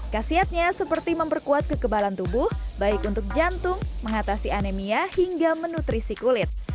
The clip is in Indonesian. kasiatnya seperti memperkuat kekebalan tubuh baik untuk jantung mengatasi anemia hingga menutrisi kulit